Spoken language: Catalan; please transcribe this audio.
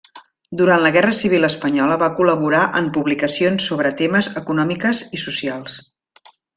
Durant la guerra civil espanyola va col·laborar en publicacions sobre temes econòmiques i socials.